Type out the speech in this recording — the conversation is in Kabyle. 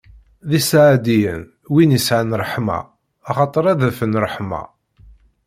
D iseɛdiyen, wid yesɛan ṛṛeḥma, axaṭer ad afen ṛṛeḥma!